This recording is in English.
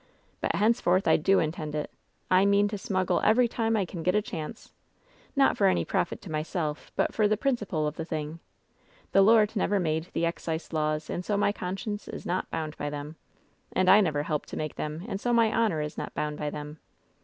But, hence forth, I do intend it ! I mean to smuggle every time I can get a chance — ^not for any profit to myself, but for the principle of the thing! The Lord never made the excise laws and so my conscience is not bound by them. And I never helped to make them, and so my honor is not bound by them.